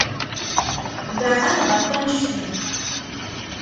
Beεεed ɣef annect-en.